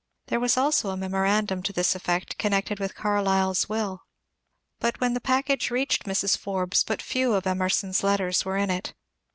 There was also a memorandum to this effect connected with Carlyle's will. But when the package reached Mrs. Forbes but few of Emerson's letters were in it.